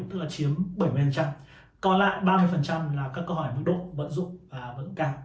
tức là chiếm bảy mươi còn lại ba mươi là các câu hỏi mức độ vận dụng và vận tải